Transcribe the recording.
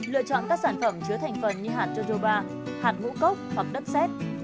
lựa chọn các sản phẩm chứa thành phần như hạt topa hạt ngũ cốc hoặc đất xét